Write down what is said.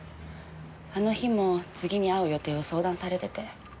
あの日も次に会う予定を相談されてて。